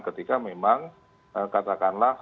ketika memang katakanlah